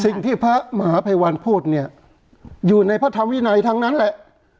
สิ่งที่พระมหาภัยวันพูดเนี่ยอยู่ในพระธรรมวินัยทั้งนั้นแหละ